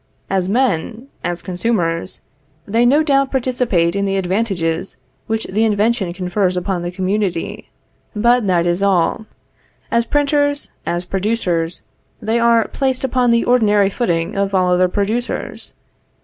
As men, as consumers, they no doubt participate in the advantages which the invention confers upon the community; but that is all. As printers, as producers, they are placed upon the ordinary footing of all other producers.